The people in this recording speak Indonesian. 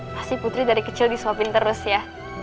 pasti putri dari kecil disuapin terus ya